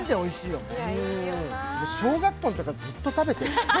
小学校のときからずっと食べてる。